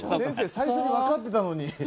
最初にわかってたのに。